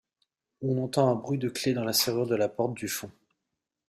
On entend un bruit de clef dans la serrure de la porte du fond.